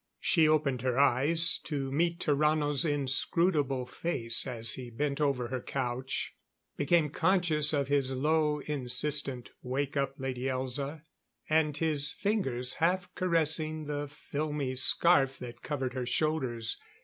She opened her eyes to meet Tarrano's inscrutable face as he bent over her couch; became conscious of his low, insistent, "Wake up, Lady Elza;" and his fingers half caressing the filmy scarf that covered her shoulders.